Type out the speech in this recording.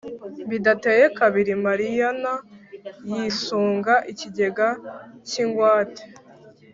Bidateye kabiri Mariyana yisunga ikigega k’ingwate